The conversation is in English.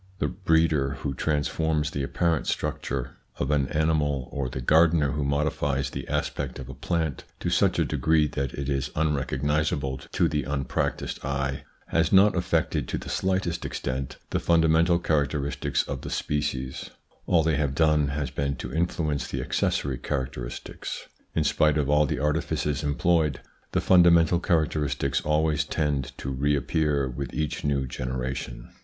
The breeder who transforms the apparent structure ITS INFLUENCE ON THEIR EVOLUTION 19 of an animal, or the gardener who modifies the aspect of a plant to such a degree that it is unrecognisable to the unpractised eye, has not affected to the slightest extent the fundamental characteristics of the species ; all they have done has been to influence the accessory characteristics. In spite of all the artifices employed, the fundamental characteristics always tend to reappear with each new generation.